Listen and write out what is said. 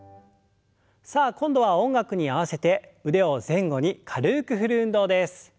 さあ今度は音楽に合わせて腕を前後に軽く振る運動です。